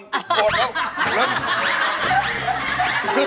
ติดโครนเขา